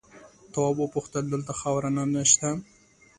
تواب وپوښتل دلته خاوره نه شته؟